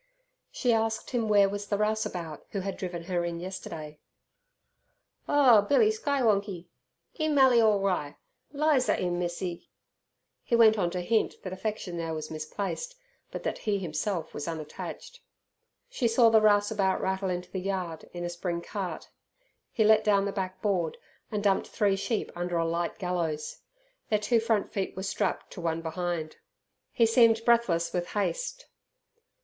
She asked him where was the rouseabout who had driven her in yesterday. "Oh, Billy Skywonkie, 'e mally alri'! Lizer 'im missie!" He went on to hint that affection there was misplaced, but that he himself was unattached. She saw the rouseabout rattle into the yard in a spring cart. He let down the backboard and dumped three sheep under a light gallows. Their two front feet were strapped to one behind. He seemed breathless with haste.